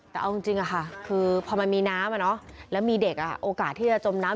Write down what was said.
แต่เอาจริงค่ะคือพอมันมีน้ำแล้วมีเด็กโอกาสที่จะจมน้ำ